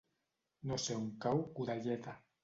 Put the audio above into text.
No sé on cau Godelleta.